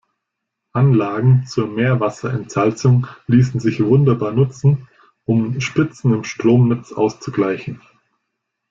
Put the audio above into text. Anlagen zur Meerwasserentsalzung ließen sich wunderbar nutzen, um Spitzen im Stromnetz auszugleichen.